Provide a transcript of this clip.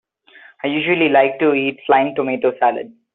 I usually like to eat flying tomato salad.